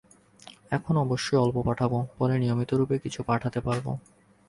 এখন অবশ্য অল্পই পাঠাব, পরে নিয়মিতরূপে কিছু কিছু পাঠাতে পারব।